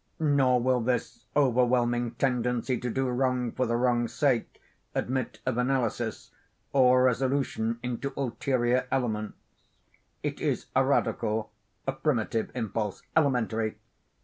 Nor will this overwhelming tendency to do wrong for the wrong's sake, admit of analysis, or resolution into ulterior elements. It is a radical, a primitive impulse—elementary.